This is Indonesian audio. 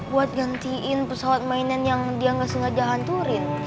buat gantiin pesawat mainan yang dia nggak sengaja hanturin